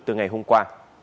từ ngày hôm qua